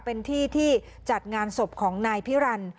เป็นที่ที่จัดงานศพของนายพิรัน